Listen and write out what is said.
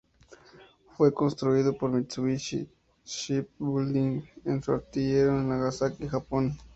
Fue construido por Mitsubishi Shipbuilding en su astillero en Nagasaki, Japón.